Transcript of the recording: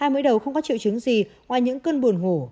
hai mũi đầu không có triệu chứng gì ngoài những cơn buồn ngủ